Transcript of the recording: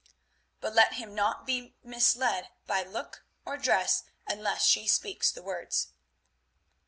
But let him not be misled by look or dress unless she speaks the words.